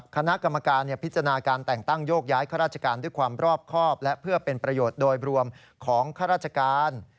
คณะกรรมการพิจารณาการแต่งตั้งโยกย้ายข้าราชการด้วยความรอบครอบและเพื่อเป็นประโยชน์โดยรวมของข้าราชการ